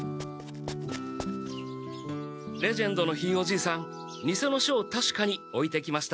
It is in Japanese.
レジェンドのひいお爺さんにせの書をたしかにおいてきました。